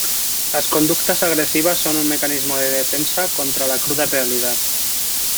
Las conductas agresivas son un mecanismo de defensa contra la cruda realidad.